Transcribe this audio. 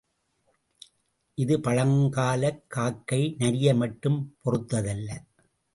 இது பழங்காலக் காக்கை, நரியை மட்டும் பொறுத்த தல்ல.